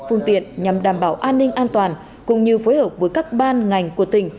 phương tiện nhằm đảm bảo an ninh an toàn cũng như phối hợp với các ban ngành của tỉnh